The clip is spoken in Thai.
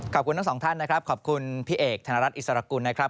ขอบคุณทั้งสองท่านนะครับขอบคุณพี่เอกธนรัฐอิสรกุลนะครับ